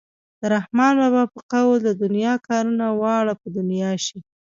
د رحمان بابا په قول د دنیا کارونه واړه په دنیا شي.